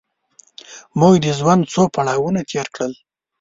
موږ د ژوند څو پړاوونه تېر کړل.